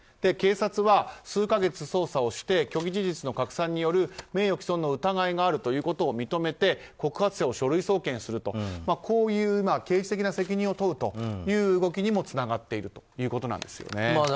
警察は数か月、捜査をして虚偽情報の拡散による名誉毀損の疑いがあると認めて告発者を書類送検するという刑事的な責任を問うという動きにつながっているということなんです。